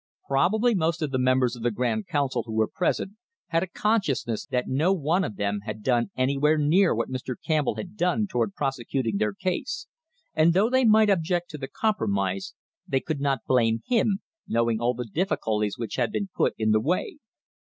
Probably most of the members of the Grand Council who were present had a consciousness that no one of them had done anywhere near what Mr. Campbell had done toward prosecuting their cause, and though they might object to the compromise, they could not blame him, knowing all the diffi culties which had been put in the way.